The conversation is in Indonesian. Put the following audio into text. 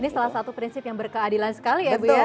ini salah satu prinsip yang berkeadilan sekali ya ibu ya